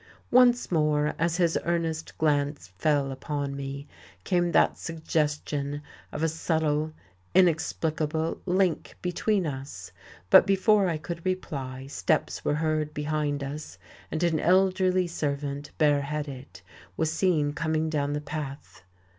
Once more, as his earnest glance fell upon me, came that suggestion of a subtle, inexplicable link between us; but before I could reply, steps were heard behind us, and an elderly servant, bareheaded, was seen coming down the path.